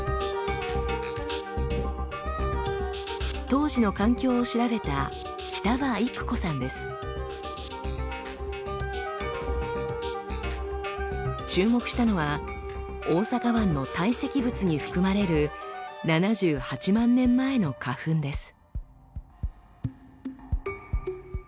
当時の環境を調べた注目したのは大阪湾の堆積物に含まれる７８万年前の花粉です。